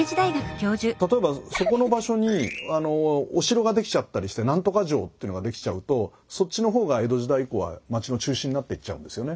例えばそこの場所にお城ができちゃったりして何とか城っていうのができちゃうとそっちの方が江戸時代以降は街の中心になっていっちゃうんですよね。